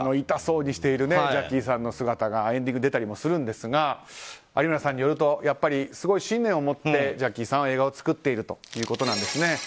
痛そうにしているジャッキーさんの姿がエンディングに出たりもするんですが有村さんによるとやっぱりすごい信念をもってジャッキーさんは映画を作っているということなんですね。